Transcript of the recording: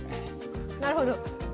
なるほど。